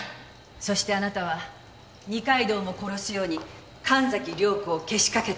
そしてあなたは二階堂も殺すように神崎涼子をけしかけた。